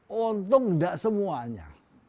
untung tidak semuanya